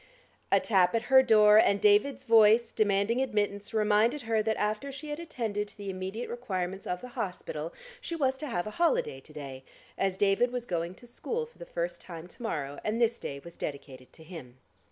A tap at her door, and David's voice demanding admittance reminded her that after she had attended to the immediate requirements of the hospital, she was to have a holiday to day, as David was going to school for the first time to morrow, and this day was dedicated to him.